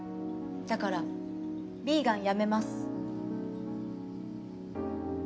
だからビーガンやめます。